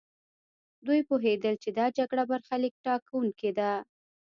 دوی پوهېدل چې دا جګړه برخليک ټاکونکې ده.